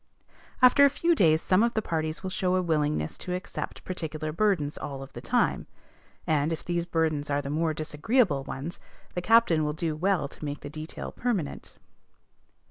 After a few days some of the party will show a willingness to accept particular burdens all of the time; and, if these burdens are the more disagreeable ones, the captain will do well to make the detail permanent.